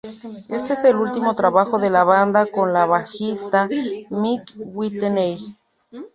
Este es el último trabajo de la banda con el bajista Mick Whitney.